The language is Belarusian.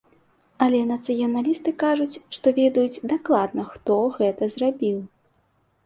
Але нацыяналісты кажуць, што ведаюць дакладна, хто гэта зрабіў.